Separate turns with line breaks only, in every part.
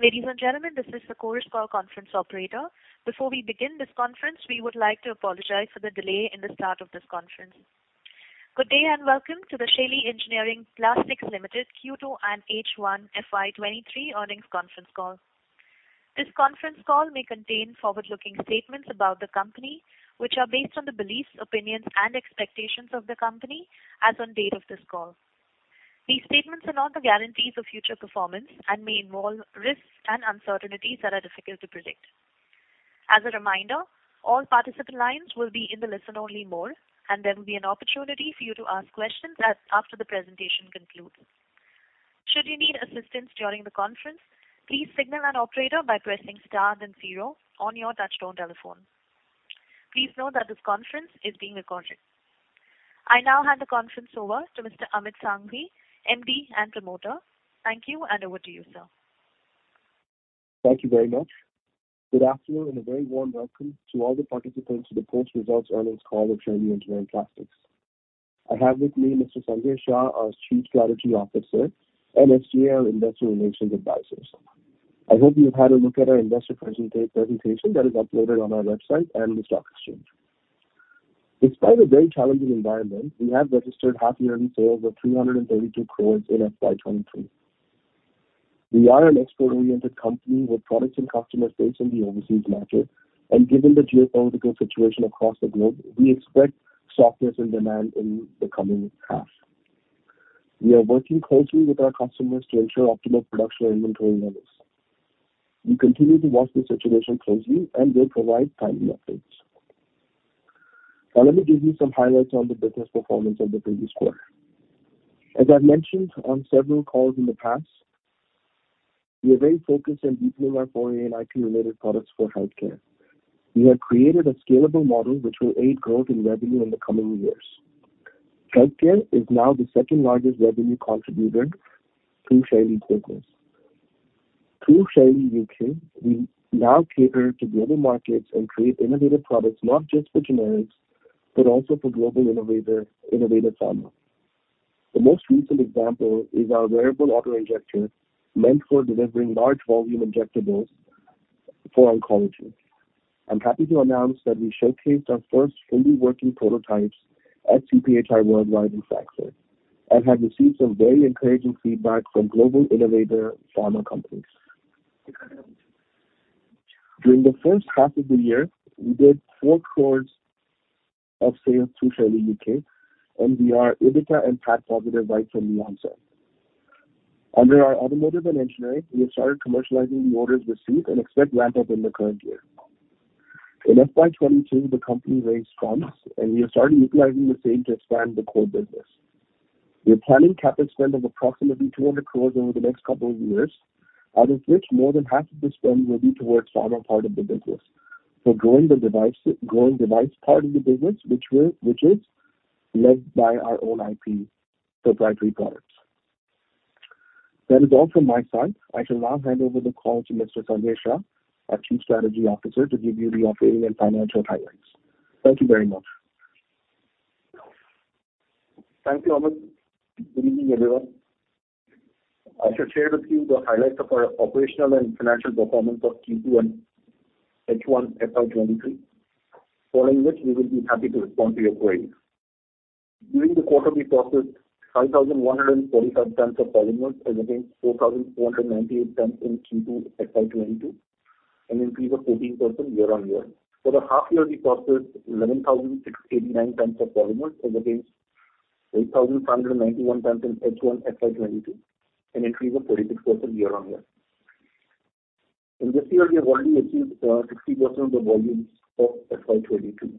Ladies and gentlemen, this is the Chorus Call conference operator. Before we begin this conference, we would like to apologize for the delay in the start of this conference. Good day, a very warm welcome to the Shaily Engineering Plastics Limited Q2 and H1 FY 2023 earnings conference call. This conference call may contain forward-looking statements about the company, which are based on the beliefs, opinions, and expectations of the company as on date of this call. These statements are not the guarantees of future performance and may involve risks and uncertainties that are difficult to predict. As a reminder, all participant lines will be in the listen-only mode, and there will be an opportunity for you to ask questions after the presentation concludes. Should you need assistance during the conference, please signal an operator by pressing star then zero on your touchtone telephone. Please note that this conference is being recorded. I now hand the conference over to Mr. Amit Sanghvi, MD and promoter. Thank you, over to you, sir.
Thank you very much. Good afternoon, a very warm welcome to all the participants to the post-results earnings call of Shaily Engineering Plastics. I have with me Mr. Sanjay Shah, our Chief Strategy Officer, and SGA, our investor relations advisors. I hope you've had a look at our investor presentation that is uploaded on our website and the stock exchange. Despite a very challenging environment, we have registered half-year end sales of 332 crores in FY 2023. We are an export-oriented company with products and customer base in the overseas market. Given the geopolitical situation across the globe, we expect softness in demand in the coming half. We are working closely with our customers to ensure optimal production and inventory levels. We continue to watch the situation closely and will provide timely updates. Now let me give you some highlights on the business performance of the previous quarter. As I've mentioned on several calls in the past, we are very focused on deepening our foreign IP-related products for healthcare. We have created a scalable model which will aid growth in revenue in the coming years. Healthcare is now the second-largest revenue contributor to Shaily business. Through Shaily UK, we now cater to global markets and create innovative products not just for generics but also for global innovator pharma. The most recent example is our wearable auto-injector meant for delivering large volume injectables for oncology. I'm happy to announce that we showcased our first fully working prototypes at CPHI Worldwide in Frankfurt and have received some very encouraging feedback from global innovator pharma companies. During the first half of the year, we did four crores of sales through Shaily UK. We are EBITDA and PAT positive right from the onset. Under our automotive and engineering, we have started commercializing the orders received and expect ramp-up in the current year. In FY 2022, the company raised funds, and we have started utilizing the same to expand the core business. We are planning capital spend of approximately 200 crores over the next couple of years, out of which more than half of the spend will be towards pharma part of the business. Growing the device part of the business, which is led by our own IP proprietary products. That is all from my side. I shall now hand over the call to Mr. Sanjay Shah, our Chief Strategy Officer, to give you the operating and financial highlights. Thank you very much.
Thank you, Amit. Good evening, everyone. I shall share with you the highlights of our operational and financial performance of Q2 and H1 FY 2023, following which we will be happy to respond to your queries. During the quarter, we processed 5,145 tons of polymers as against 4,498 tons in Q2 FY 2022, an increase of 14% year-over-year. For the half year, we processed 11,689 tons of polymers as against 8,591 tons in H1 FY 2022, an increase of 36% year-over-year. In this year, we have already achieved 60% of the volumes of FY 2022.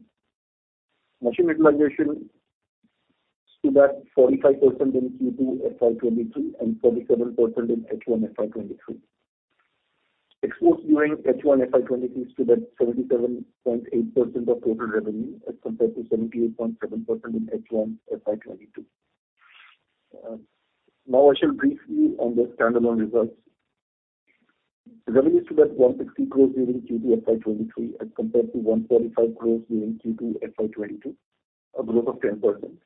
Machine utilization stood at 45% in Q2 FY 2023 and 47% in H1 FY 2023. Exports during H1 FY 2023 stood at 77.8% of total revenue as compared to 78.7% in H1 FY 2022. I shall brief you on the standalone results. Revenues stood at 160 crores during Q2 FY 2023 as compared to INR 145 crores during Q2 FY 2022, a growth of 10%.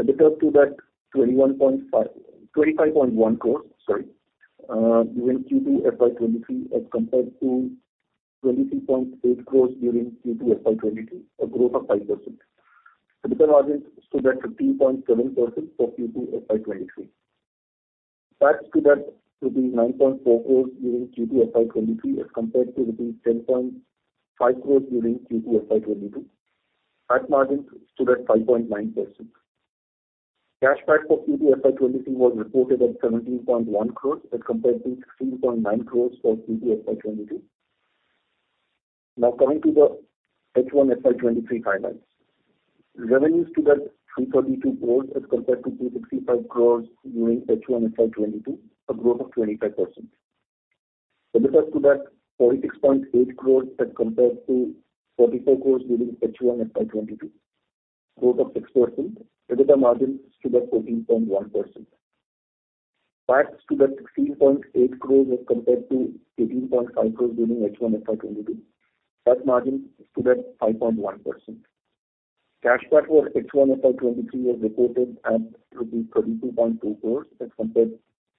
EBITDA stood at INR 25.1 crores during Q2 FY 2023 as compared to 23.8 crores during Q2 FY 2022, a growth of 5%. EBITDA margin stood at 15.7% for Q2 FY 2023. PAT stood at rupees 9.4 crores during Q2 FY 2023 as compared to rupees 10.5 crores during Q2 FY 2022. PAT margin stood at 5.9%. Cash PAT for Q2 FY 2023 was reported at 17.1 crores as compared to 16.9 crores for Q2 FY 2022. Coming to the H1 FY 2023 highlights. Revenues stood at 332 crores as compared to 265 crores during H1 FY 2022, a growth of 25%. EBITDA stood at 46.8 crores as compared to 44 crores during H1 FY 2022, growth of 6%. EBITDA margin stood at 14.1%. PAT stood at 16.8 crores as compared to 18.5 crores during H1 FY 2022. PAT margin stood at 5.1%. Cash PAT for H1 FY 2023 was reported at 32.2 crores as compared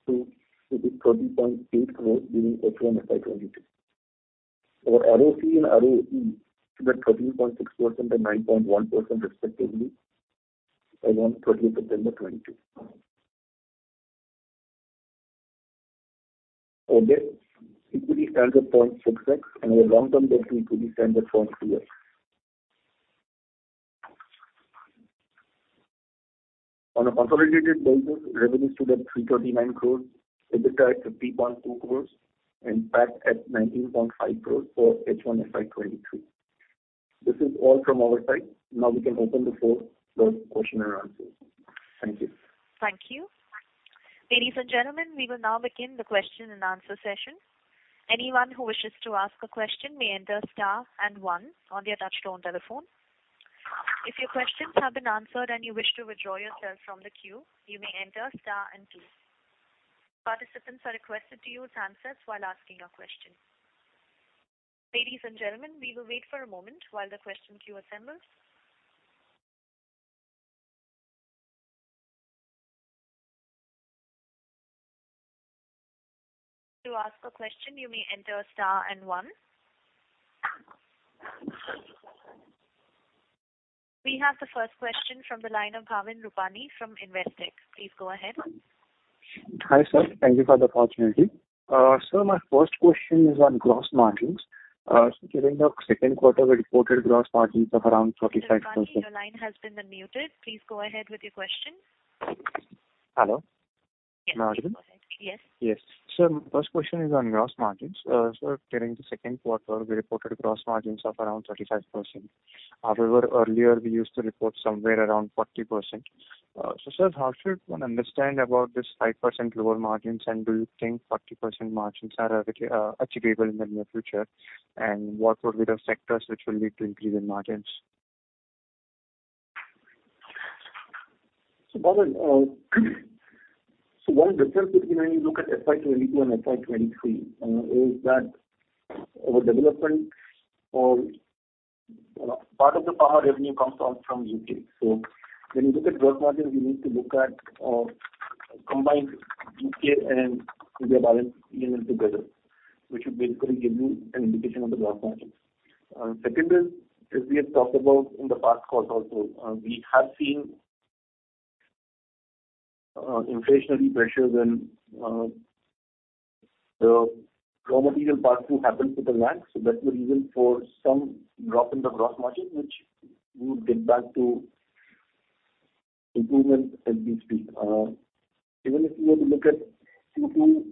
to 30.8 crores during H1 FY 2022. Our ROC and ROE stood at 13.6% and 9.1% respectively as on September 30, 2022. Our debt equity stands at 0.6x and our long-term debt equity stands at 0.2x. On a consolidated basis, revenues stood at 339 crores, EBITDA at 50.2 crores and PAT at 19.5 crores for H1 FY 2023. This is all from our side. We can open the floor for question and answers. Thank you.
Thank you. Ladies and gentlemen, we will now begin the question and answer session. Anyone who wishes to ask a question may enter star and one on their touchtone telephone. If your questions have been answered and you wish to withdraw yourself from the queue, you may enter star and two. Participants are requested to use answers while asking your question. Ladies and gentlemen, we will wait for a moment while the question queue assembles. To ask a question, you may enter star and one. We have the first question from the line of Bhavin Rupani from Investec. Please go ahead.
Hi, sir. Thank you for the opportunity. Sir, my first question is on gross margins. During the second quarter, we reported gross margins of around 35%.
Mr. Rupani, your line has been unmuted. Please go ahead with your question.
Hello.
Yes, go ahead. Yes.
Yes. Sir, my first question is on gross margins. Sir, during the second quarter, we reported gross margins of around 35%. However, earlier we used to report somewhere around 40%. Sir, how should one understand about this 5% lower margins, and do you think 40% margins are achievable in the near future? What would be the sectors which will lead to increase in margins?
Bhavin, one difference between when you look at FY 2022 and FY 2023, is that our development or part of the power revenue comes out from U.K. When you look at gross margins, you need to look at combined U.K. and India balance P&L together, which would basically give you an indication of the gross margins. Second is, as we have talked about in the past calls also, we have seen inflationary pressures and the raw material pass through happened with a lag. That's the reason for some drop in the gross margin, which we would get back to improvement as we speak. Even if you were to look at Q2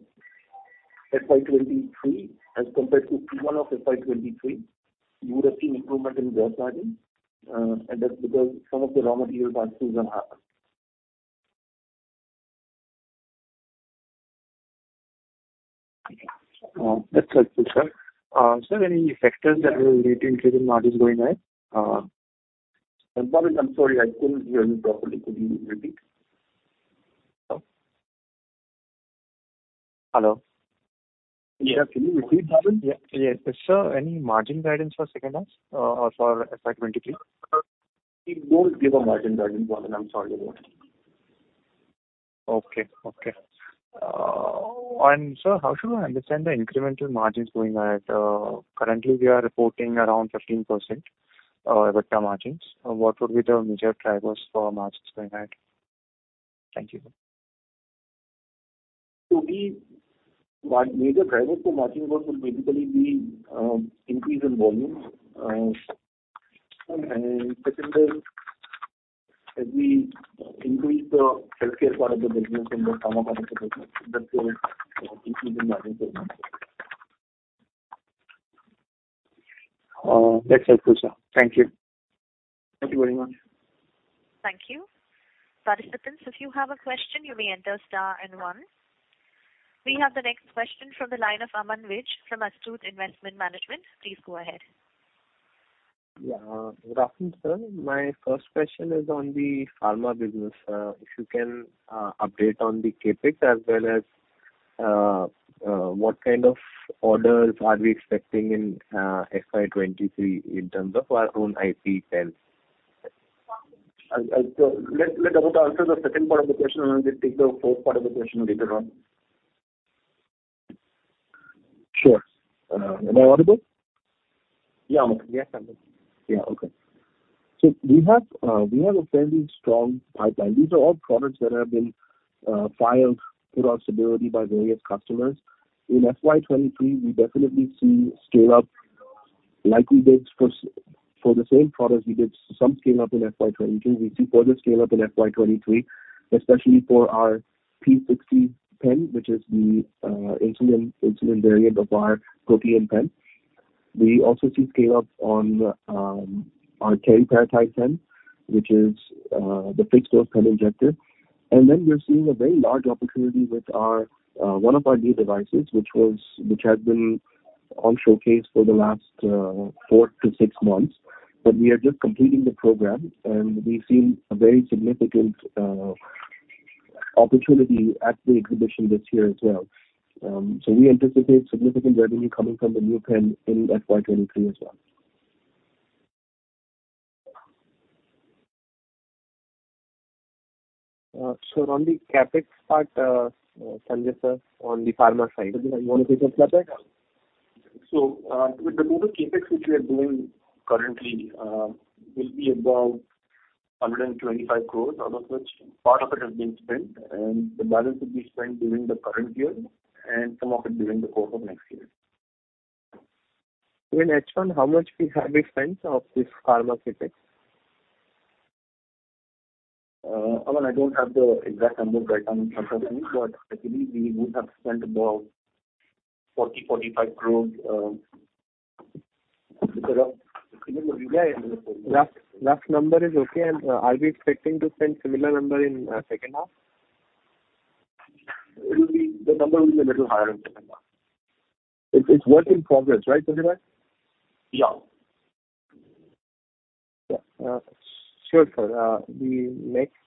FY 2023 as compared to Q1 of FY 2023, you would have seen improvement in gross margin. That's because some of the raw material pass throughs have happened.
That's helpful, sir. Sir, any factors that will lead to increase in margins going ahead?
Bhavin, I'm sorry, I couldn't hear you properly. Could you repeat?
Hello? Hello.
Yeah. Can you repeat, Bhavin?
Yeah. Sir, any margin guidance for second half, for FY 2023?
We don't give a margin guidance, Bhavin. I'm sorry about it.
Okay. Sir, how should we understand the incremental margins going ahead? Currently, we are reporting around 13% EBITDA margins. What would be the major drivers for margins going ahead? Thank you.
Major drivers for margin growth would basically be increase in volume. Second is, as we increase the healthcare part of the business and the pharma part of the business, that will increase in margin performance.
That's helpful, sir. Thank you.
Thank you very much.
Thank you. Participants, if you have a question, you may enter star and one. We have the next question from the line of Aman Vij from Astute Investment Management. Please go ahead.
Yeah. Good afternoon, sir. My first question is on the pharma business. If you can update on the CapEx as well as what kind of orders are we expecting in FY 2023 in terms of our own IP pen?
Let me answer the second part of the question and we'll just take the first part of the question later on.
Sure. Am I audible?
Yeah.
Yeah. Okay. We have a fairly strong pipeline. These are all products that have been filed for stability by various customers. In FY 2023, we definitely see scale-up like we did for the same products we did some scale-up in FY 2022. We see further scale-up in FY 2023, especially for our P60 pen, which is the insulin variant of our Protean pen. We also see scale-ups on our teriparatide pen, which is the fixed-dose pen injector. We are seeing a very large opportunity with one of our new devices, which has been on showcase for the last four to six months. We are just completing the program, and we've seen a very significant opportunity at the exhibition this year as well. We anticipate significant revenue coming from the new pen in FY 2023 as well.
On the CapEx part, Sanjay sir, on the pharma side, you want to take up that?
With the total CapEx which we are doing currently will be above 125 crores, out of which part of it has been spent and the balance will be spent during the current year and some of it during the course of next year.
In H1, how much we have spent of this pharma CapEx?
Amit, I don't have the exact numbers right on the top of my head, but I believe we would have spent about 40 crore, 45 crore. Is that rough?
Rough number is okay. Are we expecting to spend similar number in second half?
The number will be a little higher in second half.
It's work in progress, right, Sanjay bhai?
Yeah.
Yeah. Sure, sir. The next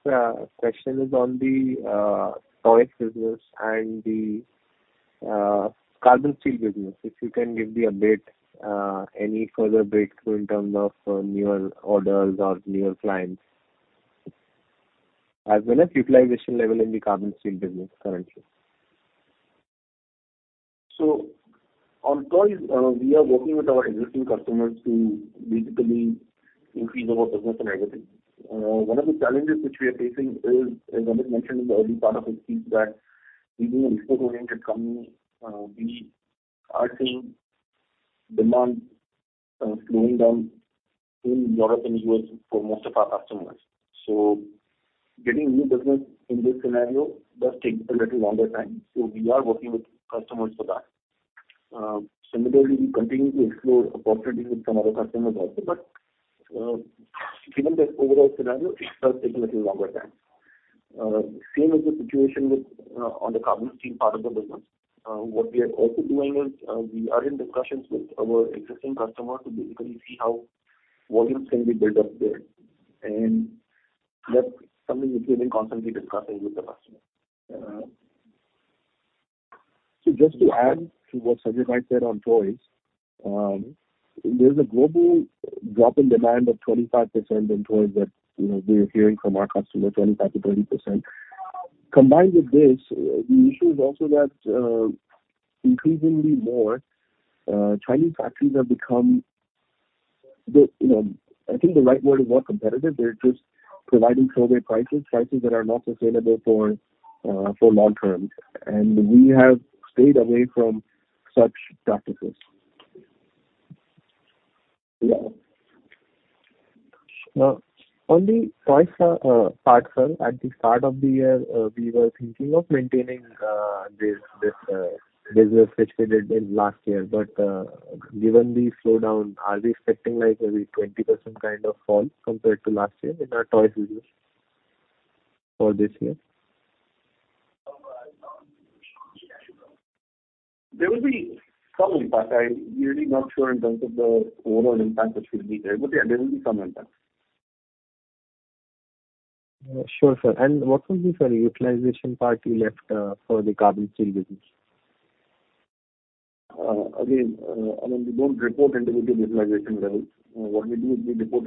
question is on the toys business and the carbon steel business. If you can give the update, any further breakthrough in terms of newer orders or newer clients. As well as utilization level in the carbon steel business currently.
On toys, we are working with our existing customers to basically increase our business on everything. One of the challenges which we are facing is, as Amit mentioned in the early part of his speech that we being an export-oriented company, we are seeing demand slowing down in Europe and U.S. for most of our customers. Getting new business in this scenario does take a little longer time, so we are working with customers for that. Similarly, we continue to explore opportunities with some other customers also. Given the overall scenario, it does take a little longer time. Same is the situation on the carbon steel part of the business. What we are also doing is, we are in discussions with our existing customer to basically see how volumes can be built up there, and that's something which we've been constantly discussing with the customer.
Just to add to what Sanjay bhai said on toys, there's a global drop in demand of 25% in toys that we are hearing from our customers, 25%-30%. Combined with this, the issue is also that increasingly more Chinese factories have become, I think the right word is more competitive. They're just providing giveaway prices that are not sustainable for long-term. We have stayed away from such practices.
Yeah.
On the toys part, sir, at the start of the year, we were thinking of maintaining this business which we did in last year. Given the slowdown, are we expecting like maybe 20% kind of fall compared to last year in our toys business for this year?
There will be some impact. I'm really not sure in terms of the overall impact which will be there. Yeah, there will be some impact.
Sure, sir. What will be the utilization part you left for the carbon steel business?
Again, Amit, we don't report individual utilization levels. What we do is we report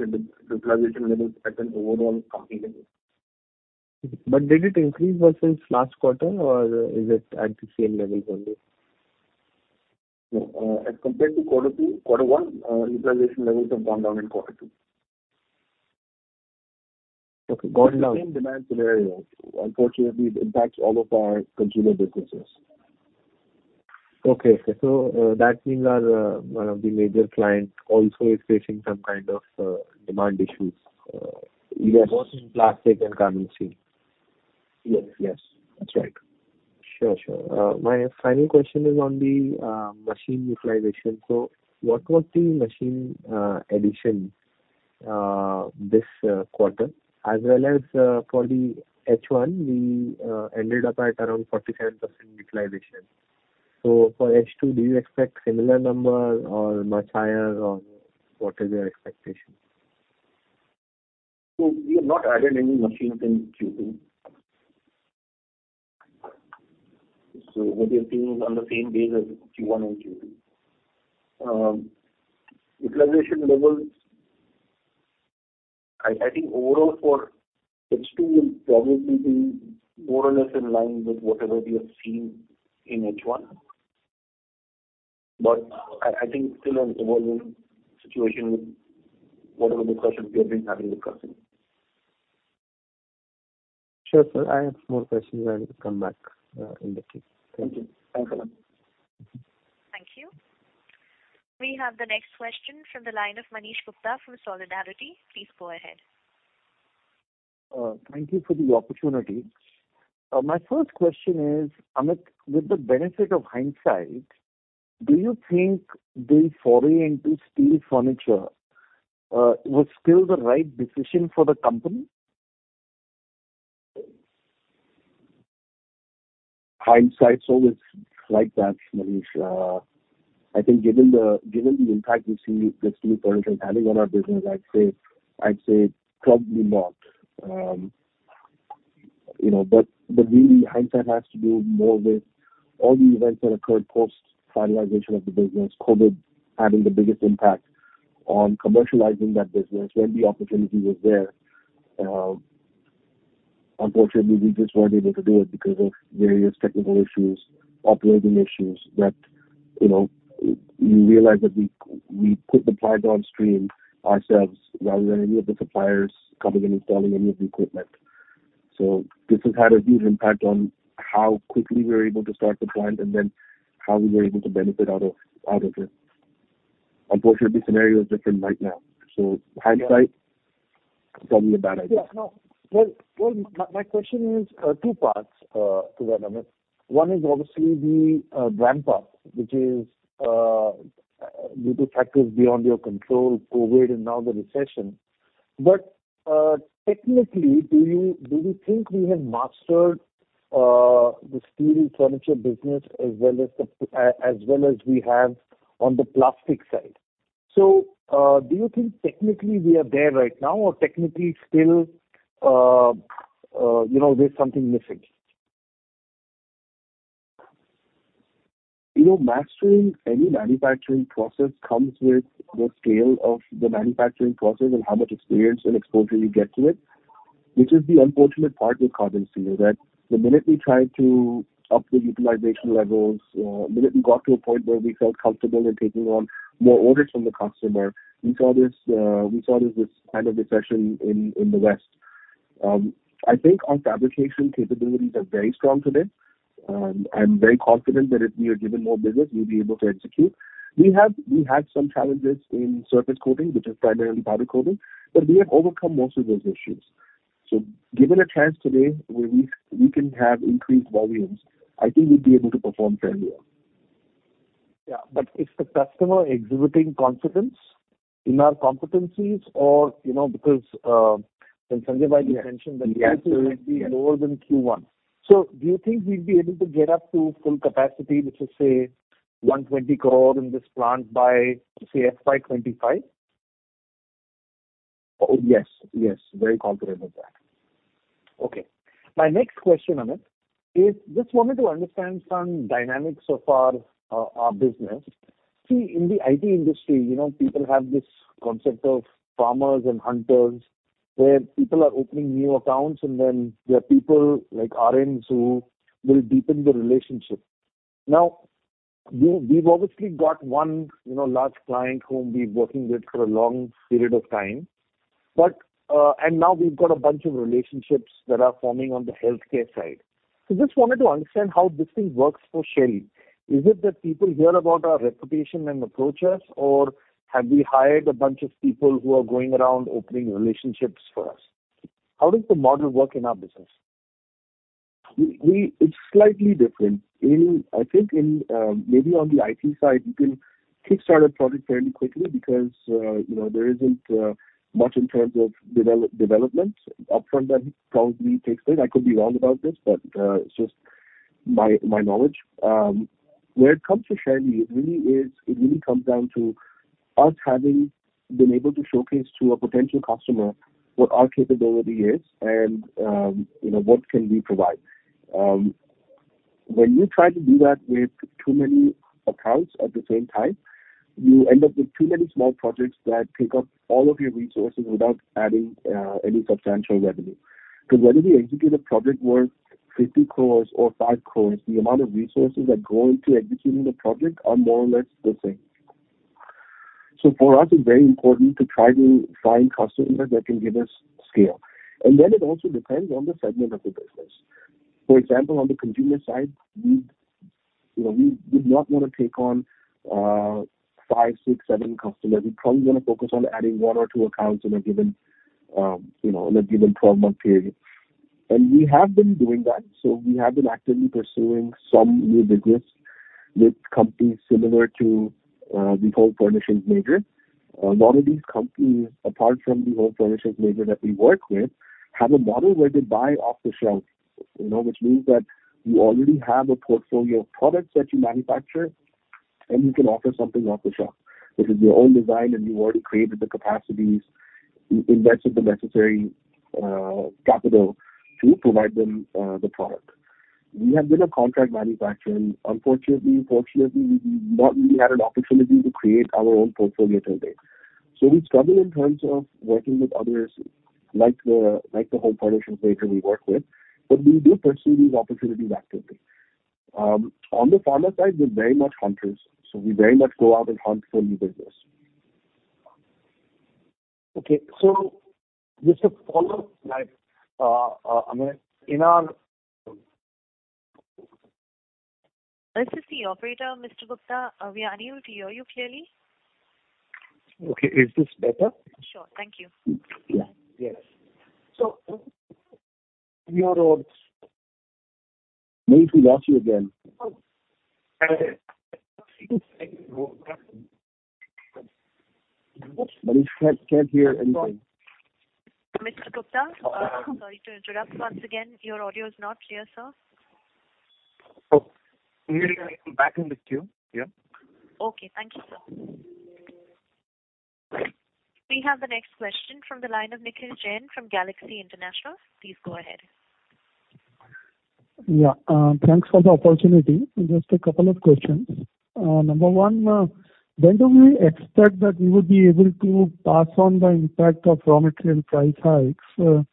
utilization levels at an overall company level.
Did it increase versus last quarter or is it at the same level only?
No. As compared to Quarter Two, Quarter One, utilization levels have gone down in Quarter Two.
Okay. Gone down. The same demand scenario unfortunately impacts all of our consumer businesses. Okay. That means one of the major client also is facing some kind of demand issues. Yes. Both in plastic and carbon steel.
Yes.
Yes. That's right. Sure. My final question is on the machine utilization. What was the machine addition this quarter as well as for the H1? We ended up at around 47% utilization. For H2, do you expect similar number or much higher, or what is your expectation?
We have not added any machines in Q2.
What you are seeing is on the same base as Q1 and Q2.
Utilization levels, I think overall for H2 will probably be more or less in line with whatever we have seen in H1. I think it's still an evolving situation with whatever discussions we have been having with customers.
Sure, sir. I have more questions. I will come back in that case. Thank you.
Thank you.
Thank you. We have the next question from the line of Manish Gupta from Solidarity. Please go ahead.
Thank you for the opportunity. My first question is, Amit, with the benefit of hindsight, do you think the foray into steel furniture was still the right decision for the company?
Hindsight's always like that, Manish. I think given the impact we see the steel furniture is having on our business, I'd say probably not. Really, hindsight has to do more with all the events that occurred post-finalization of the business, COVID having the biggest impact on commercializing that business when the opportunity was there. Unfortunately, we just weren't able to do it because of various technical issues, operating issues that we realized that we put the plant on stream ourselves rather than any of the suppliers coming and installing any of the equipment. This has had a huge impact on how quickly we were able to start the plant and then how we were able to benefit out of it. Unfortunately, the scenario is different right now, hindsight, probably a bad idea.
My question is two parts to that, Amit. One is obviously the ramp-up, which is due to factors beyond your control, COVID and now the recession. Technically, do we think we have mastered the steel furniture business as well as we have on the plastic side? Do you think technically we are there right now or technically still there's something missing?
Mastering any manufacturing process comes with the scale of the manufacturing process and how much experience and exposure you get to it, which is the unfortunate part with carbon steel, that the minute we try to up the utilization levels, the minute we got to a point where we felt comfortable in taking on more orders from the customer, we saw this kind of recession in the West. I'm very confident that if we are given more business, we'll be able to execute. We had some challenges in surface coating, which is primarily powder coating, but we have overcome most of those issues. Given a chance today where we can have increased volumes, I think we'd be able to perform fairly well.
Is the customer exhibiting confidence in our competencies or because when Sanjay mentioned that Q2 will be lower than Q1. Do you think we'd be able to get up to full capacity, let's just say 120 crore in this plant by, say, FY 2025?
Yes. Very confident of that.
Okay. My next question, Amit, is just wanted to understand some dynamics of our business. In the IT industry, people have this concept of farmers and hunters, where people are opening new accounts and then there are people like RNs who will deepen the relationship. Now, we've obviously got one large client whom we're working with for a long period of time. We've got a bunch of relationships that are forming on the healthcare side. Just wanted to understand how this thing works for Shaily. Is it that people hear about our reputation and approach us, or have we hired a bunch of people who are going around opening relationships for us? How does the model work in our business?
It's slightly different. I think maybe on the IT side, you can kickstart a project fairly quickly because there isn't much in terms of development upfront that probably takes place. I could be wrong about this, but it's just my knowledge. When it comes to Shaily, it really comes down to us having been able to showcase to a potential customer what our capability is and what can we provide. When you try to do that with too many accounts at the same time, you end up with too many small projects that take up all of your resources without adding any substantial revenue. Because whether we execute a project worth 50 crores or 5 crores, the amount of resources that go into executing the project are more or less the same. For us, it's very important to try to find customers that can give us scale. Then it also depends on the segment of the business. For example, on the consumer side, we would not want to take on five, six, seven customers. We'd probably want to focus on adding one or two accounts in a given 12-month period. We have been doing that. We have been actively pursuing some new business with companies similar to the home furnishings major. A lot of these companies, apart from the home furnishings major that we work with, have a model where they buy off the shelf, which means that you already have a portfolio of products that you manufacture, and you can offer something off the shelf. This is your own design, and you've already created the capacities, you invested the necessary capital to provide them the product. We have been a contract manufacturer, and unfortunately, fortunately, we've not really had an opportunity to create our own portfolio to date. We struggle in terms of working with others like the home furnishings major we work with, but we do pursue these opportunities actively. On the farmer side, we're very much hunters, we very much go out and hunt for new business.
Okay. just a follow-up, Amit, in our-
This is the operator, Mr. Gupta. We are unable to hear you clearly.
Okay. Is this better?
Sure. Thank you.
Yeah. Yes. Roads.
Maybe we lost you again. Manish can't hear anything.
Mr. Gupta, sorry to interrupt once again. Your audio is not clear, sir.
Okay. Maybe I can back in the queue. Yeah.
Okay. Thank you, sir. We have the next question from the line of Nikhil Jain from Galaxy International. Please go ahead.
Yeah. Thanks for the opportunity. Just a couple of questions. Number one, when do we expect that we would be able to pass on the impact of raw material price hikes to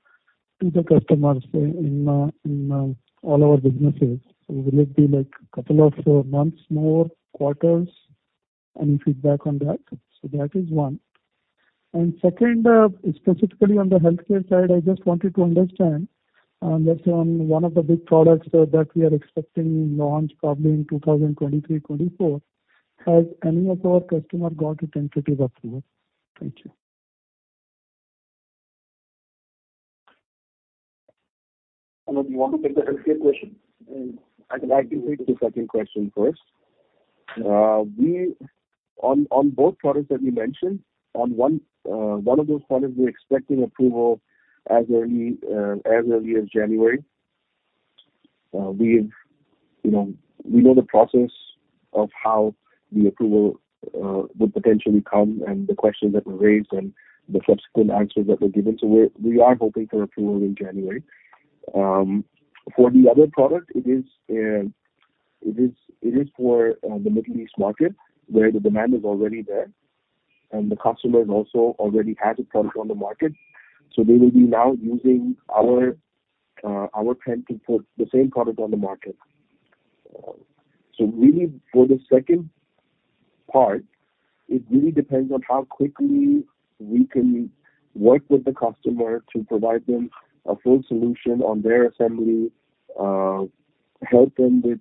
the customers in all our businesses? Will it be couple of months more, quarters? Any feedback on that? That is one. Second, specifically on the healthcare side, I just wanted to understand that on one of the big products that we are expecting launch probably in 2023-24, has any of our customer got a tentative approval? Thank you.
Anuj, do you want to take the healthcare question? I can actually take the second question first. On both products that we mentioned, on one of those products, we are expecting approval as early as January. We know the process of how the approval would potentially come and the questions that were raised and the subsequent answers that were given. We are hoping for approval in January. For the other product, it is for the Middle East market where the demand is already there and the customers also already have the product on the market. They will be now using our intent to put the same product on the market. Really for the second part, it really depends on how quickly we can work with the customer to provide them a full solution on their assembly, help them with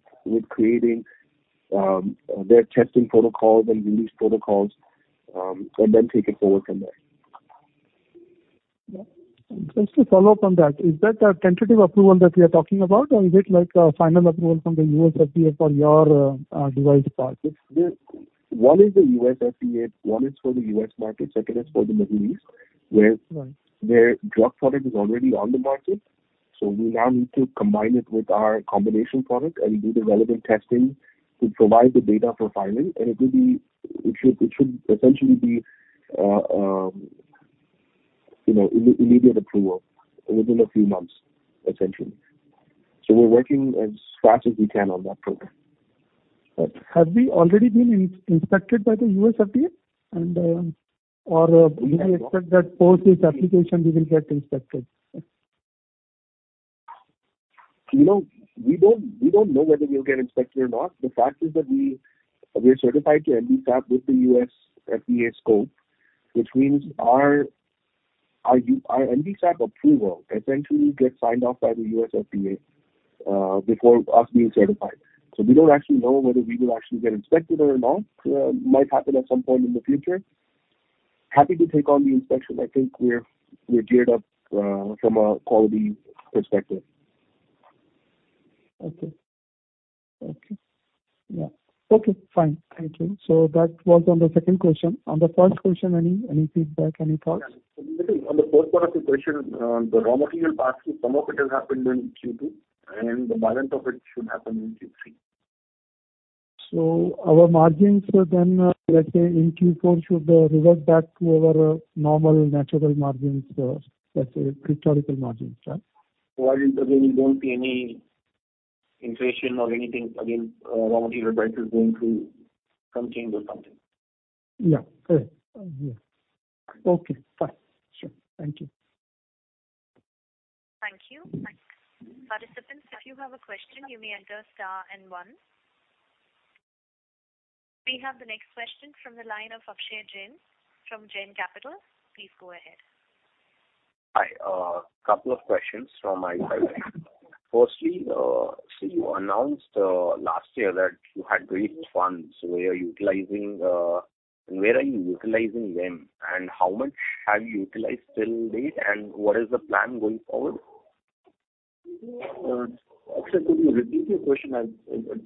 creating their testing protocols and release protocols, and then take it forward from there.
Just to follow up on that, is that a tentative approval that we are talking about or is it like a final approval from the USFDA for your device part?
One is the USFDA. One is for the U.S. market, second is for the Middle East.
Right
Their drug product is already on the market. We now need to combine it with our combination product and do the relevant testing to provide the data for filing. It should essentially be immediate approval within a few months, essentially. We're working as fast as we can on that program.
Have we already been inspected by the USFDA and, or do we expect that post this application we will get inspected?
We don't know whether we'll get inspected or not. The fact is that we are certified to MDSAP with the USFDA scope, which means our MDSAP approval essentially gets signed off by the USFDA before us being certified. We don't actually know whether we will actually get inspected or not. Might happen at some point in the future. Happy to take on the inspection. I think we're geared up from a quality perspective.
Okay. Yeah. Okay, fine. Thank you. That was on the second question. On the first question, any feedback, any thoughts?
On the first part of the question, the raw material passing, some of it has happened in Q2 and the balance of it should happen in Q3.
Our margins then, let's say in Q4 should revert back to our normal natural margins, let's say pre-historical margins. Right?
While we don't see any inflation or anything, again, raw material prices going to change or something.
Yeah. Correct. Okay, fine. Sure. Thank you.
Thank you. Participants, if you have a question you may enter star and one. We have the next question from the line of Akshay Jain from Jain Capital. Please go ahead.
Hi. Couple of questions from my side. Firstly, you announced last year that you had raised funds. Where are you utilizing them and how much have you utilized till date and what is the plan going forward?
Akshay, could you repeat your question? I'm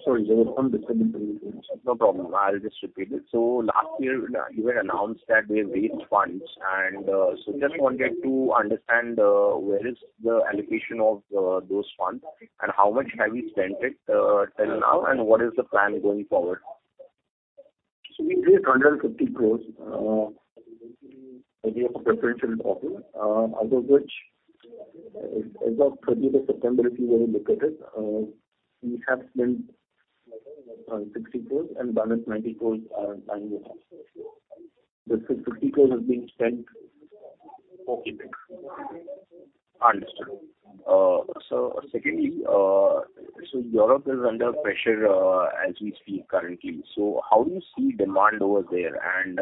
sorry there was some disturbance.
No problem. I'll just repeat it. Last year you had announced that we have raised funds and just wanted to understand where is the allocation of those funds and how much have you spent it till now and what is the plan going forward?
We raised 150 crores via a preferential offer. Out of which as of 30th of September if you were to look at it, we have spent 60 crores and balance 90 crores are lying with us. The 60 crores is being spent for CapEx.
Understood. Secondly, Europe is under pressure as we speak currently. How do you see demand over there and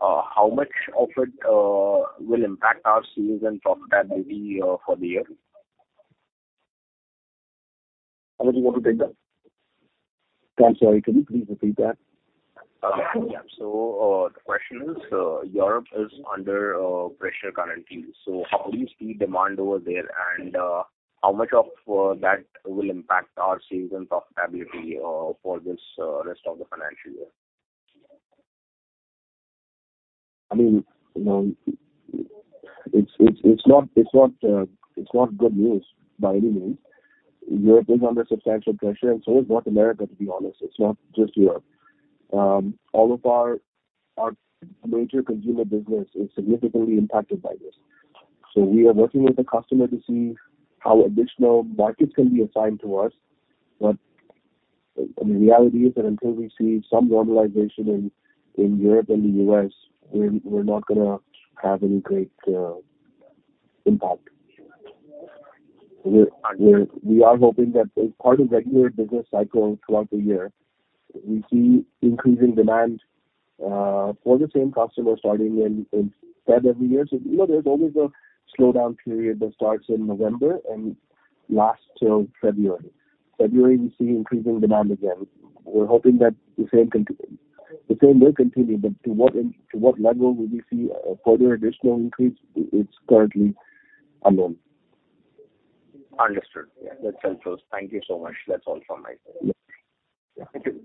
how much of it will impact our sales and profitability for the year?
Anuj, you want to take that? I'm sorry, can you please repeat that?
Yeah. The question is, Europe is under pressure currently. How do you see demand over there and how much of that will impact our sales and profitability for this rest of the financial year?
It's not good news by any means. Europe is under substantial pressure, and so is North America, to be honest. It's not just Europe. All of our major consumer business is significantly impacted by this. We are working with the customer to see how additional markets can be assigned to us. The reality is that until we see some normalization in Europe and the U.S., we're not going to have any great impact. We are hoping that as part of regular business cycle throughout the year, we see increasing demand for the same customer starting in February every year. There's always a slowdown period that starts in November and lasts till February. February, we see increasing demand again. We're hoping that the same will continue, but to what level will we see a further additional increase? It's currently unknown.
Understood. Yeah. That's helpful. Thank you so much. That's all from my side.
Yeah. Thank you.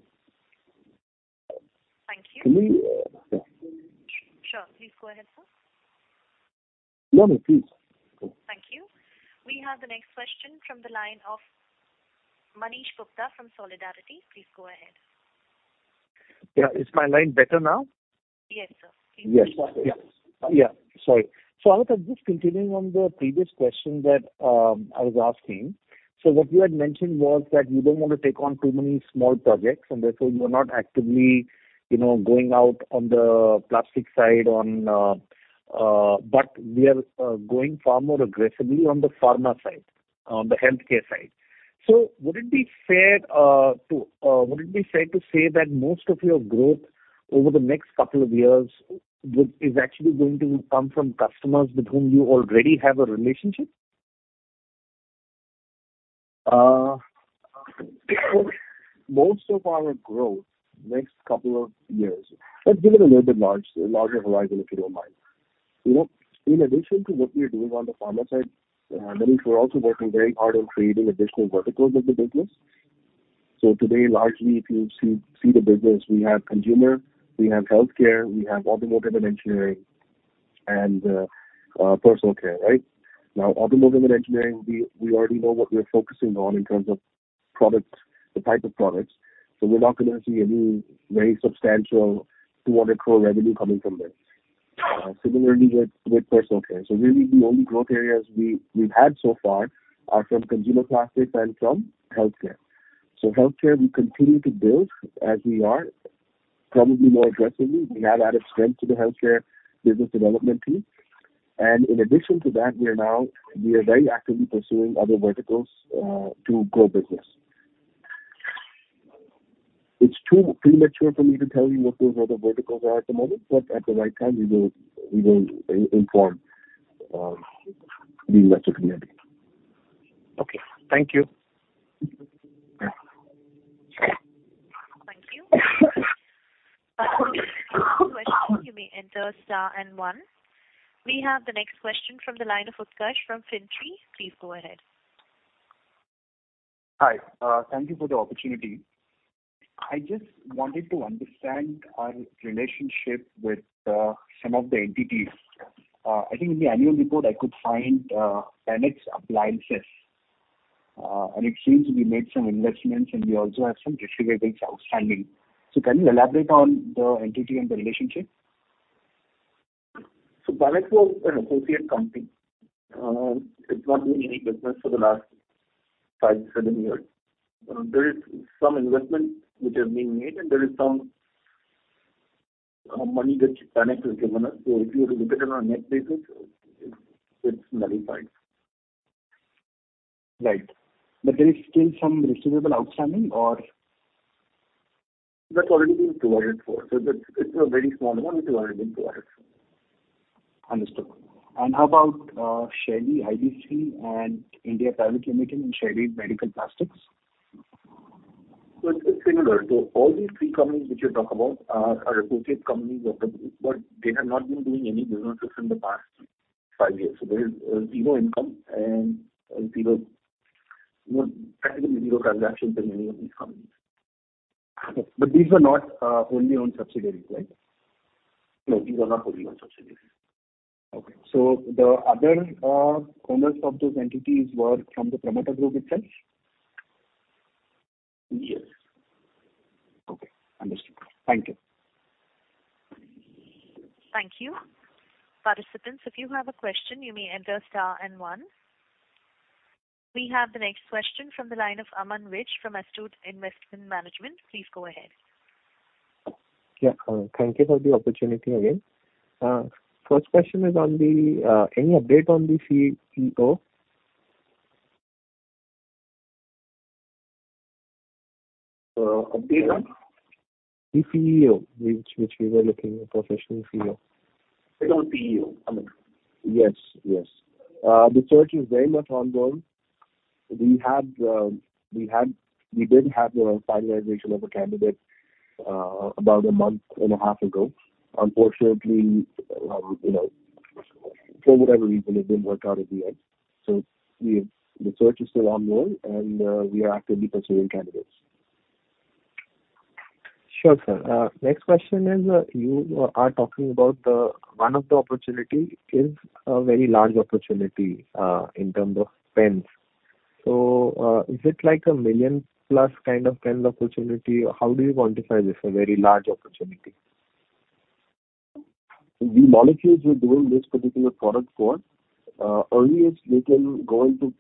Thank you.
Can we-
Sure. Please go ahead, sir.
No, no, please. Go.
Thank you. We have the next question from the line of Manish Gupta from Solidarity. Please go ahead.
Yeah. Is my line better now?
Yes, sir. Please proceed.
Yes.
Anant, just continuing on the previous question that I was asking. What you had mentioned was that you don't want to take on too many small projects, and therefore you are not actively going out on the plastic side, but we are going far more aggressively on the pharma side, on the healthcare side. Would it be fair to say that most of your growth over the next couple of years is actually going to come from customers with whom you already have a relationship?
Most of our growth, next couple of years. Let's give it a little bit larger horizon, if you don't mind. In addition to what we are doing on the pharma side, Manish, we're also working very hard on creating additional verticals of the business. Today, largely, if you see the business, we have consumer, we have healthcare, we have automotive and engineering, and personal care. Right? Now, automotive and engineering, we already know what we are focusing on in terms of the type of products. We're not going to see any very substantial 200 crore revenue coming from there. Similarly with personal care. Really the only growth areas we've had so far are from consumer plastics and from healthcare. Healthcare, we continue to build as we are, probably more aggressively. We have added strength to the healthcare business development team. In addition to that, we are very actively pursuing other verticals to grow business. It's too premature for me to tell you what those other verticals are at the moment, but at the right time, we will inform the investor community.
Okay. Thank you.
Thank you. For the next question, you may enter star 1. We have the next question from the line of Utkarsh from FinTree. Please go ahead.
Hi. Thank you for the opportunity. I just wanted to understand our relationship with some of the entities. I think in the annual report I could find Panax Appliances, and it seems we made some investments, and we also have some receivables outstanding. Can you elaborate on the entity and the relationship?
Panax was an associate company. It's not doing any business for the last five, seven years. There is some investment which has been made, and there is some money which Panax has given us. If you were to look at it on a net basis, it's nullified.
Right. There is still some receivable outstanding or?
That's already been provided for. It's a very small amount. It's already been provided for.
Understood. How about Shaily Industry and India Private Limited and Shaily Medical Plastics?
It's similar. All these three companies which you talk about are associate companies of the group, but they have not been doing any businesses in the past five years. There is zero income and practically zero transactions in any of these companies.
Okay. These are not wholly owned subsidiaries, right?
No, these are not wholly owned subsidiaries.
Okay. The other owners of those entities were from the promoter group itself?
Yes.
Okay. Understood. Thank you.
Thank you. Participants, if you have a question, you may enter star and one. We have the next question from the line of Aman Vij from Astute Investment Management. Please go ahead.
Yeah. Thank you for the opportunity again. First question is, any update on the CEO? Update on? The CEO, which we were looking for, professional CEO. On CEO, Aman. Yes. The search is very much ongoing. We did have the finalization of a candidate about a month and a half ago. Unfortunately, for whatever reason, it didn't work out in the end. The search is still ongoing, and we are actively pursuing candidates.
Sure, sir. Next question is, you are talking about one of the opportunity is a very large opportunity in terms of pens. Is it like a million-plus kind of pen opportunity? How do you quantify this, a very large opportunity?
The molecules we're doing this particular product for, earliest we can go into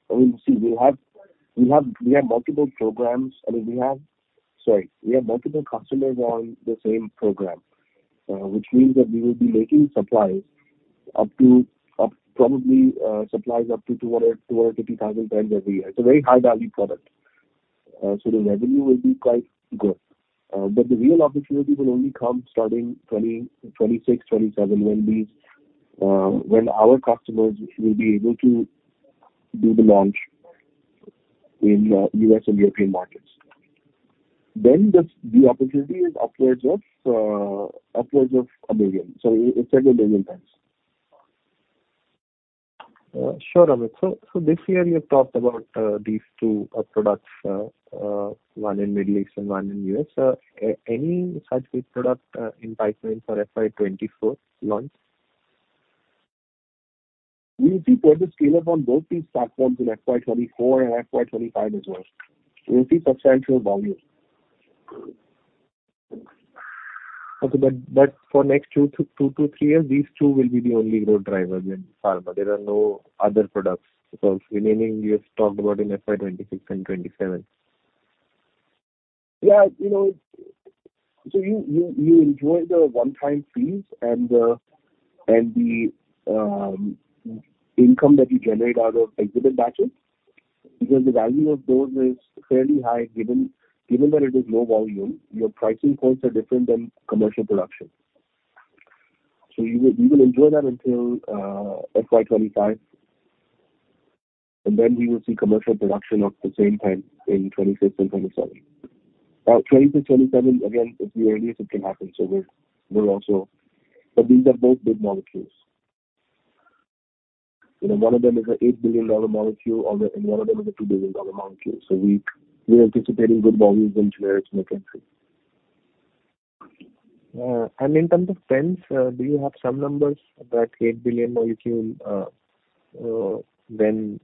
We have multiple customers on the same program, which means that we will be making supplies, probably supplies up to 200,000-250,000 pens every year. It's a very high-value product, so the revenue will be quite good. The real opportunity will only come starting 2026, 2027, when our customers will be able to do the launch in U.S. and European markets. The opportunity is upwards of a million. It's again million pens.
Sure, Amit. This year you have talked about these two products, one in Middle East and one in U.S. Any such big product in pipeline for FY 2024 launch?
We will see further scale-up on both these platforms in FY 2024 and FY 2025 as well. We will see substantial volume.
Okay. For next two to three years, these two will be the only growth drivers in pharma. There are no other products because remaining you have talked about in FY 2026 and 2027.
Yeah. You enjoy the one-time fees and the income that you generate out of exhibit batches, because the value of those is fairly high. Given that it is low volume, your pricing points are different than commercial production. You will enjoy that until FY 2025, and then we will see commercial production of the same kind in 2026 and 2027. 2026, 2027, again, it's the earliest it can happen. These are both big molecules. One of them is an $8 billion molecule, and one of them is a $2 billion molecule. We are anticipating good volumes once we are able to make entry.
In terms of pens, do you have some numbers that $8 billion molecule, then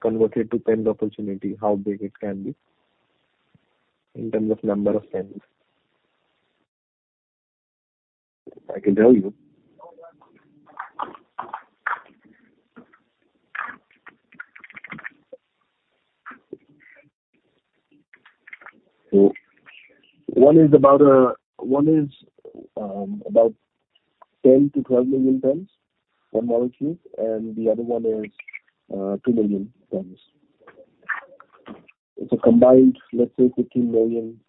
converted to pens opportunity, how big it can be in terms of number of pens?
I can tell you. One is about 10 million-12 million pens for molecules, and the other one is 2 million pens. Combined, let's say 15 million.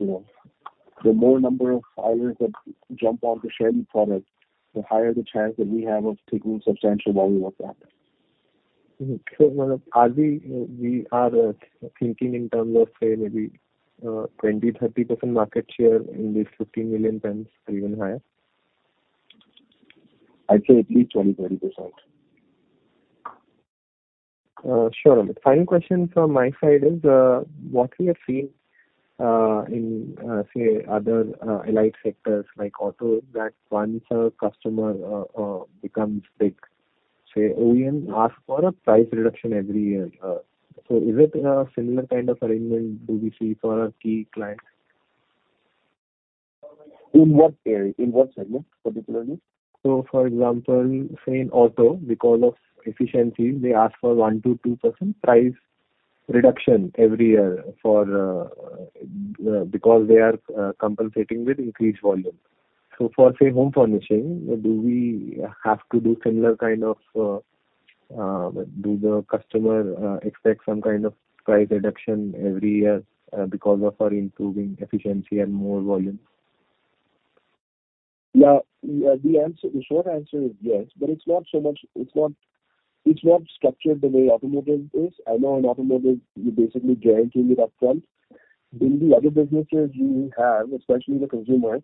The more number of buyers that jump on to Shaily product, the higher the chance that we have of taking substantial volume of that.
Are we thinking in terms of, say maybe 20%-30% market share in these 15 million pens or even higher?
I'd say at least 20%-30%.
Sure. Final question from my side is, what we have seen in say other allied sectors like auto, that once a customer becomes big, say OEM ask for a price reduction every year. Is it a similar kind of arrangement do we see for our key clients?
In what area? In what segment particularly?
For example, say in auto, because of efficiency, they ask for 1%-2% price reduction every year because they are compensating with increased volume. For say home furnishing, Do the customer expect some kind of price reduction every year because of our improving efficiency and more volume?
The short answer is yes, it's not structured the way automotive is. I know in automotive, you're basically guaranteeing it upfront. In the other businesses we have, especially in the consumers,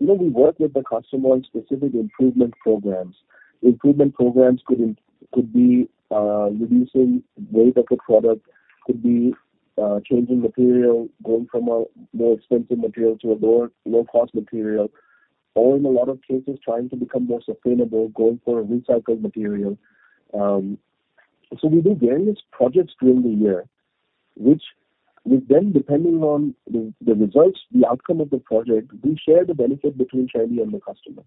we work with the customer on specific improvement programs. Improvement programs could be reducing weight of the product, could be changing material, going from a more expensive material to a low-cost material, or in a lot of cases, trying to become more sustainable, going for recycled material. We do various projects during the year. Which with them, depending on the results, the outcome of the project, we share the benefit between Shaily and the customer.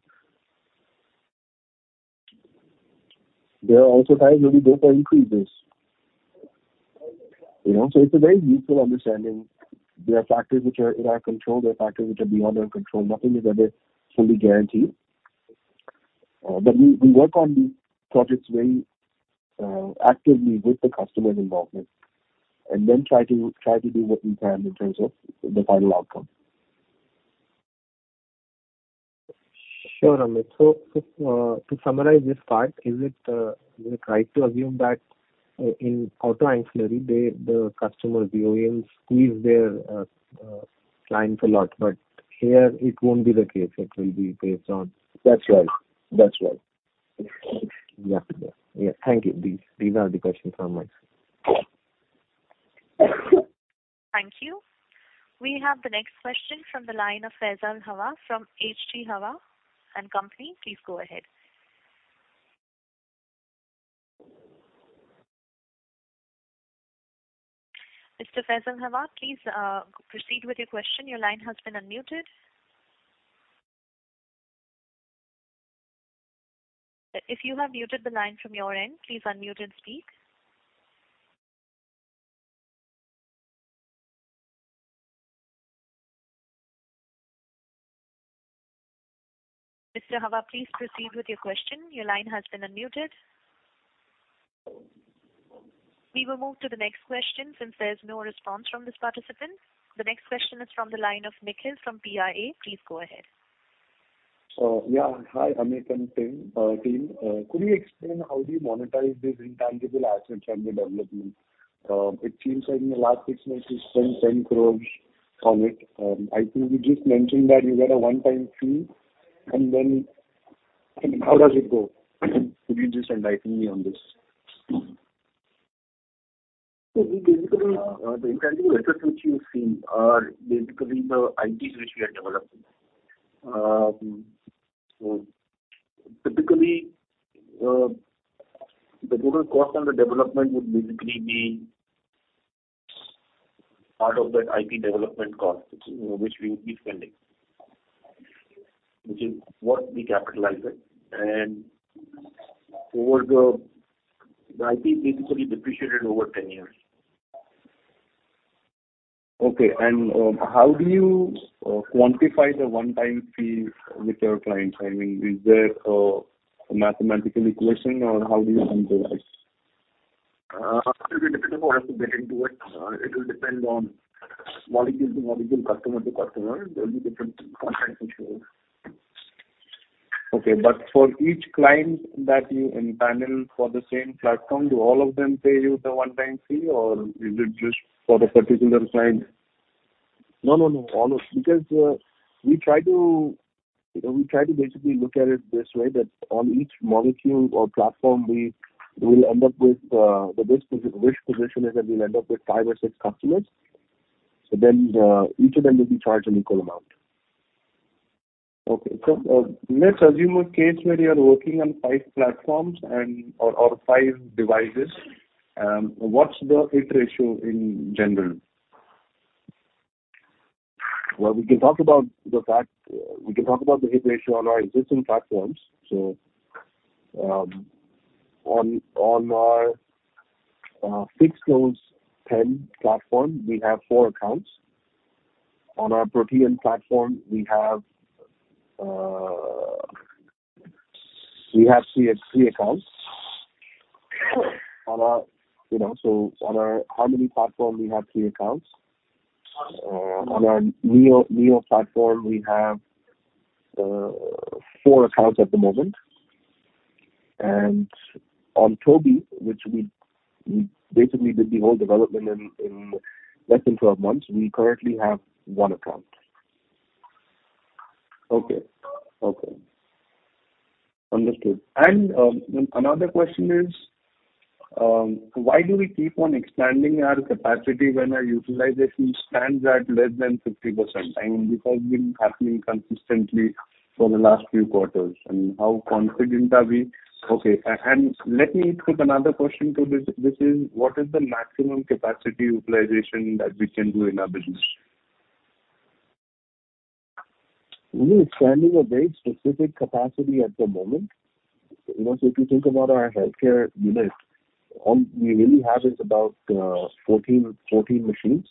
There are also times when we go for increases. It's a very mutual understanding. There are factors which are in our control, there are factors which are beyond our control. Nothing is ever fully guaranteed. We work on these projects very actively with the customer's involvement, and then try to do what we can in terms of the final outcome.
Sure, Amit. To summarize this part, is it right to assume that in auto ancillary, the customers, the OEMs squeeze their clients a lot, but here it won't be the case. That's right. Yeah. Thank you. These are the questions from my side.
Thank you. We have the next question from the line of Faisal Hawa from H.G. Hawa & Company. Please go ahead. Mr. Faisal Hawa, please proceed with your question. Your line has been unmuted. If you have muted the line from your end, please unmute and speak. Mr. Hawa, please proceed with your question. Your line has been unmuted. We will move to the next question since there's no response from this participant. The next question is from the line of Nikhil from PIA. Please go ahead.
Yeah. Hi, Amit and team. Could you explain how do you monetize these intangible assets under development? It seems like in the last six months, you spent 10 crores on it. I think you just mentioned that you get a one-time fee, how does it go? Could you just enlighten me on this?
Basically, the intangible assets which you've seen are basically the IPs which we are developing. Typically, the total cost on the development would basically be part of that IP development cost, which we would be spending, which is what we capitalize it. The IP basically depreciated over 10 years.
Okay. How do you quantify the one-time fee with your clients? I mean, is there a mathematical equation or how do you handle that?
It'll be difficult for us to get into it. It will depend on molecule to molecule, customer to customer. There will be different contracts which we have.
For each client that you enable for the same platform, do all of them pay you the one-time fee or is it just for the particular client?
No. We try to basically look at it this way that on each molecule or platform, the wish position is that we'll end up with five or six customers. Each of them will be charged an equal amount.
Okay. Let's assume a case where you are working on five platforms or five devices. What's the hit ratio in general?
Well, we can talk about the hit ratio on our existing platforms. On our Fixclose 10 platform, we have four accounts. On our Protean platform, we have three accounts. On our Harmony platform, we have three accounts. On our Neo platform, we have four accounts at the moment. On Toby, which we basically did the whole development in less than 12 months, we currently have one account.
Okay. Understood. Another question is, why do we keep on expanding our capacity when our utilization stands at less than 50%? I mean, this has been happening consistently for the last few quarters. How confident are we? Okay. Let me put another question to this. What is the maximum capacity utilization that we can do in our business?
We are expanding a very specific capacity at the moment. If you think about our healthcare unit, all we really have is about 14 machines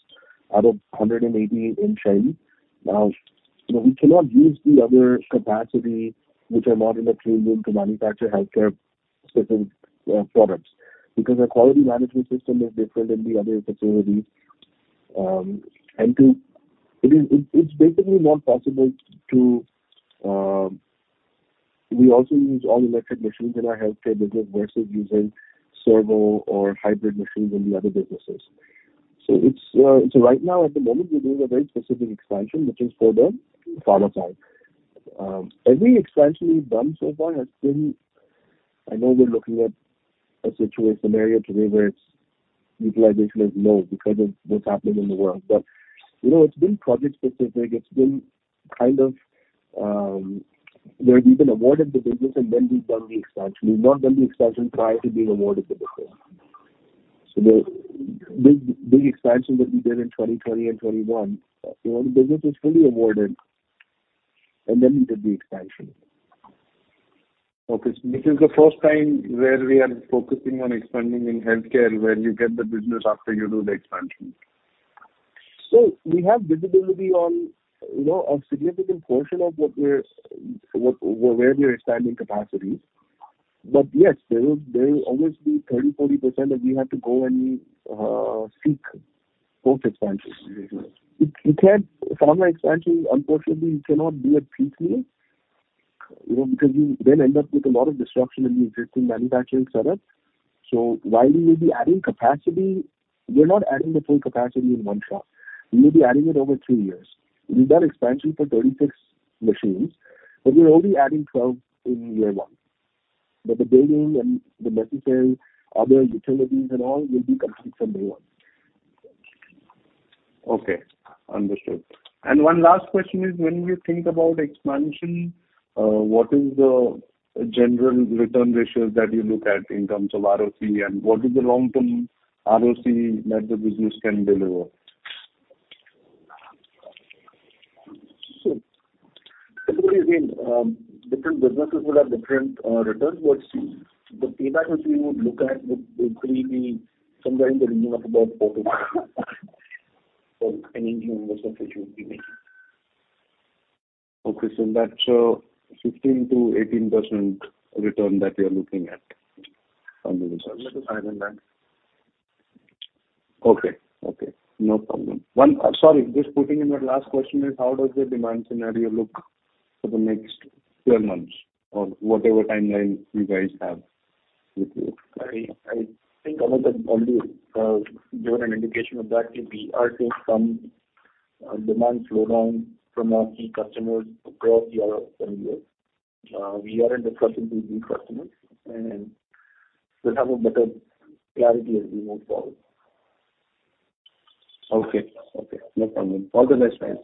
out of 180 in China. We cannot use the other capacity which are not in the clean room to manufacture healthcare-specific products because our quality management system is different in the other facilities. We also use all-electric machines in our healthcare business versus using servo or hybrid machines in the other businesses. Right now, at the moment, we're doing a very specific expansion, which is for the pharma side. Every expansion we've done so far has been. I know we're looking at a situation area today where its utilization is low because of what's happening in the world. It's been project specific. We've been awarded the business and we've done the expansion. We've not done the expansion prior to being awarded the business. The big expansion that we did in 2020 and 2021, the business was fully awarded and we did the expansion.
Okay. This is the first time where we are focusing on expanding in healthcare where you get the business after you do the expansion.
We have visibility on significant portion of where we are expanding capacities. Yes, there will always be 30%-40% that we have to go and seek both expansions. Pharma expansion, unfortunately, you cannot do it peacefully because you then end up with a lot of disruption in the existing manufacturing setup.
While we may be adding capacity, we're not adding the full capacity in one shot. We may be adding it over two years. We've got expansion for 36 machines, but we're only adding 12 in year one. The building and the necessary other utilities and all will be complete from day one.
Okay, understood. One last question is, when we think about expansion, what is the general return ratios that you look at in terms of ROC? What is the long-term ROC that the business can deliver?
Typically, again, different businesses will have different returns. The payback ratio we would look at would likely be somewhere in the region of about 40%, for any new investment which we'll be making.
Okay, that's 15%-18% return that we are looking at from the results.
A little higher than that.
Okay. No problem. Sorry, just putting in that last question is, how does the demand scenario look for the next 12 months or whatever timeline you guys have with you?
I think Amit has already given an indication of that, is we are seeing some demand slowdown from our key customers across Europe and U.S. We are in discussions with these customers, we'll have a better clarity as we move forward.
Okay. No problem. All the best then.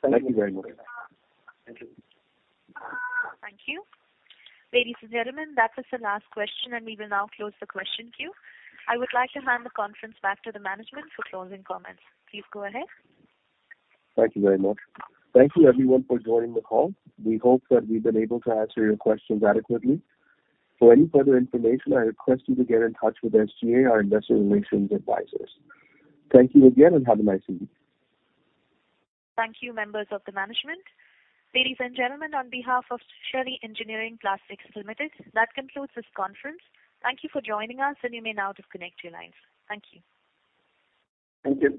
Thank you.
Thank you very much.
Thank you.
Thank you. Ladies and gentlemen, that was the last question, and we will now close the question queue. I would like to hand the conference back to the management for closing comments. Please go ahead.
Thank you very much. Thank you everyone for joining the call. We hope that we've been able to answer your questions adequately. For any further information, I request you to get in touch with SGA, our investor relations advisors. Thank you again, and have a nice week.
Thank you, members of the management. Ladies and gentlemen, on behalf of Shaily Engineering Plastics Limited, that concludes this conference. Thank you for joining us, and you may now disconnect your lines. Thank you.
Thank you